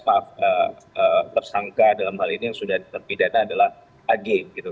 maaf tersangka dalam hal ini yang sudah terpidana adalah ag gitu